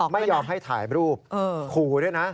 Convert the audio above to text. ไม่ยอมให้ถ่ายรูปขู่ด้วยนะ